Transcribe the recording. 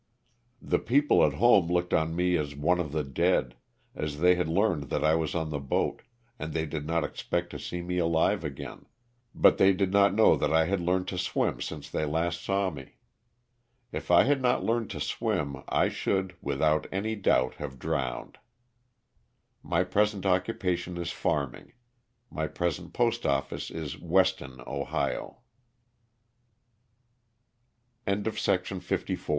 The people at home looked on me as one of the dead, as they had learned that I was on the boat and they did not expect to see me alive again, but they did not know that I had learned to swim since they last saw me. If I had not learned to swim I should, without any doubt, have drowned. My present occupation is farming. My present post office is Weston, Ohio. 182 LOSS OF THE SULTANA. JACOB HORNER. T ENLISTED in the service of the